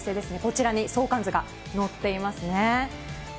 こちらに相関図が載っていますね。